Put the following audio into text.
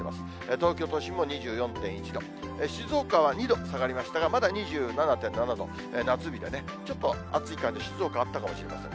東京都心も２４．１度、静岡は２度下がりましたが、まだ２７．７度、夏日でね、ちょっと暑い感じ、静岡あったかもしれません。